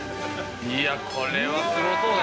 いやこれはすごそうだな。